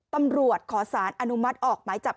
ตำรวจขอสารอนุมัติออกหมายจับ